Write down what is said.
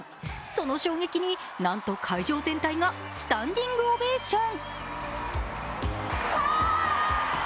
その衝撃になんと会場全体がスタンディングオベーション。